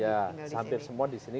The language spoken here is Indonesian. ya hampir semua di sini